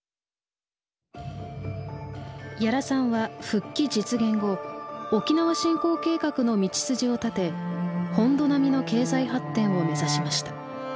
屋良さんは復帰実現後沖縄振興計画の道筋を立て本土並みの経済発展を目指しました。